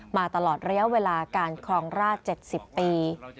มาตลอดระยะเวลาการครองราช๗๐ปี